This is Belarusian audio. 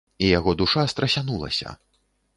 І яго душа страсянулася.